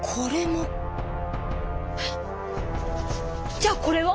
⁉じゃあこれは⁉